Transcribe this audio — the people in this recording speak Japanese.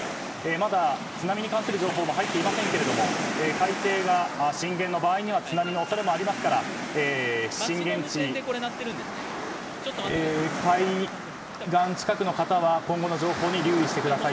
まだ津波に関する情報も入っていませんが海底が震源の場合には津波の恐れもありますから海岸近くの方は今後の情報に警戒してください。